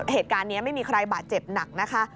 เหตุการณ์นี้ไม่มีใครบาดเจ็บหนักนะคะ